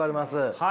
はい。